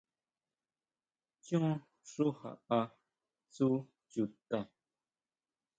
Chon xú jaʼa tsú chuta.